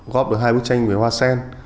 góp được hai bức tranh về hoa sen